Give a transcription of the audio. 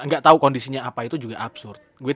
gak tau kondisinya apa itu juga absurd